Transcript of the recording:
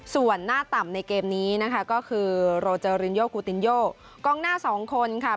ส่วนหน้าต่ำในเกมนี้นะคะก็คือโรเจอรินโยกูตินโยกองหน้าสองคนค่ะ